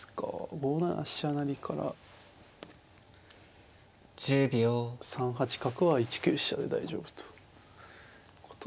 ５七飛車成から３八角は１九飛車で大丈夫ということですか。